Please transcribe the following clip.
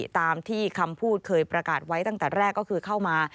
ตามที่คำพูดเคยประกาศไว้ตั้งแต่แรกก็คือเข้ามา